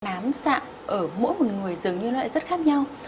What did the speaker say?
nám sạm ở mỗi một người dường như nó lại rất khác nhau